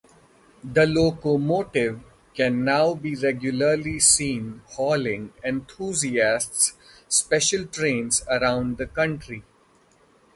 The locomotive can now be regularly seen hauling enthusiasts' special trains around the country.